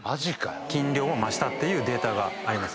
筋量も増したっていうデータがあります。